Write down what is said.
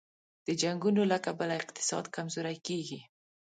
د جنګونو له کبله اقتصاد کمزوری کېږي.